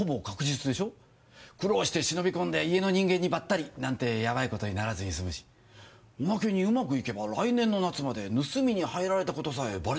苦労して忍び込んで家の人間にばったりなんてやばい事にならずに済むしおまけにうまくいけば来年の夏まで盗みに入られた事さえバレなかったりするし。